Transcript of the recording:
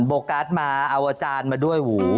โฟกัสมาเอาอาจารย์มาด้วยหู